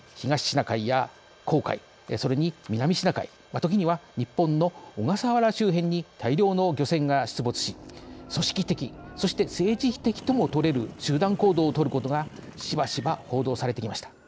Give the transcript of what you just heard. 時には日本の小笠原周辺に大量の漁船が出没し組織的そして政治的ともとれる集団行動をとることがしばしば報道されてきました。